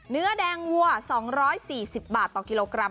เนื้อแดงวัว๒๔๐บาทต่อกิโลกรัม